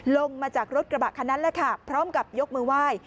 ลงมาจากรถกระบะคันนั้นแหละค่ะพร้อมกับยกมือไหว้